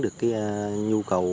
được cái nhu cầu